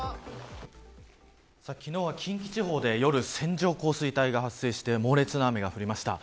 昨日は近畿地方で、夜線状降水帯が発生して猛烈な雨が降りました。